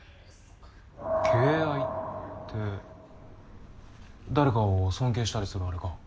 敬愛って誰かを尊敬したりするあれか？